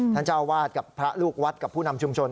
เจ้าอาวาสกับพระลูกวัดกับผู้นำชุมชน